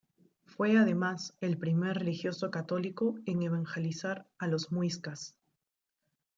Fue además el primer religioso católico en evangelizar a los muiscas.